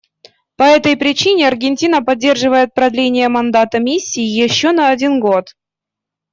По этой причине Аргентина поддерживает продление мандата Миссии еще на один год.